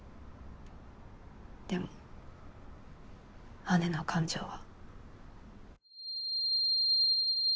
でも姉の感情は。